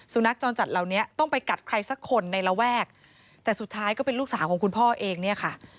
สุนัขจรจัดเหล่านี้ต้องไปกัดใครสักคนในระแวกแต่สุดท้ายก็เป็นลูกสาวของคุณพ่อเองเนี่ยค่ะ